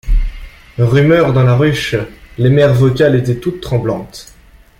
Rumeur dans la ruche ; les mères vocales étaient toutes tremblantes.